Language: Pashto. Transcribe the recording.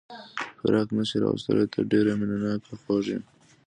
فراق نه شي راوستلای، ته ډېر مینه ناک او خوږ یې.